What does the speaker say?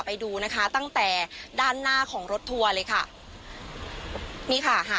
ไปดูนะคะตั้งแต่ด้านหน้าของรถทัวร์เลยค่ะนี่ค่ะค่ะ